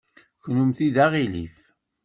Kennemti d aɣilif.